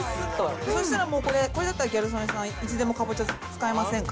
そしたらこれ、ギャル曽根さんいつでもかぼちゃ、使えませんか？